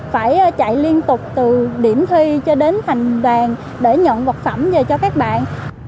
phải chạy liên tục từ điểm thi cho đến thành vàng để nhận vật phẩm về cho các bạn